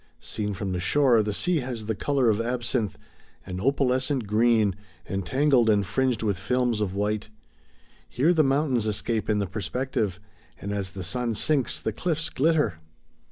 Seen from the shore, the sea has the color of absinthe, an opalescent green, entangled and fringed with films of white; here the mountains escape in the perspective, and as the sun sinks the cliffs glitter.